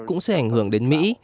cũng sẽ ảnh hưởng đến mỹ